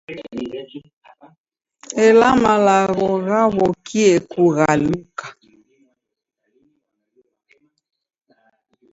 Ela malagho ghaw'okie kughaluka.